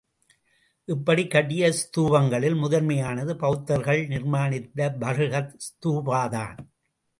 இப்படிக் கட்டிய ஸ்தூபங்களில் முதன்மையானது பெளத்தர்கள் நிர்மாணித்த பர்ஹுத் ஸ்தூபாதான்.